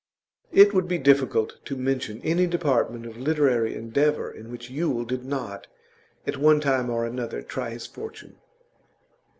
It would be difficult to mention any department of literary endeavour in which Yule did not, at one time or another, try his fortune.